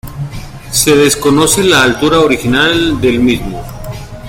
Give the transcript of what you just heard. Se desconoce la altura original del mismo.